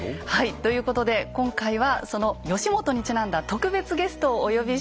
ということで今回はその義元にちなんだ特別ゲストをお呼びしております。